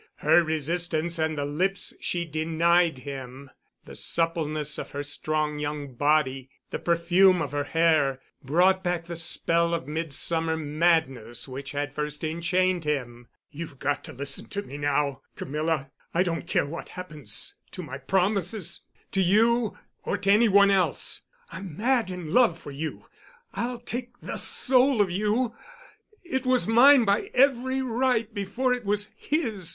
Her resistance and the lips she denied him, the suppleness of her strong young body, the perfume of her hair brought back the spell of mid summer madness which had first enchained him. "You've got to listen to me now, Camilla. I don't care what happens to my promises—to you—or to any one else. I'm mad with love for you. I'll take the soul of you. It was mine by every right before it was his.